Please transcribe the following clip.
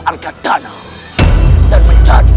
dan menjadi balik selimut raden